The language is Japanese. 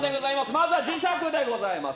まずは磁石でございます。